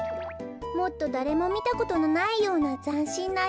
もっとだれもみたことのないようなざんしんな